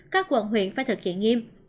các quận huyện phải thực hiện nghiêm